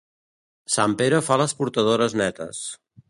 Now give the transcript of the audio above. Sant Pere fa les portadores netes.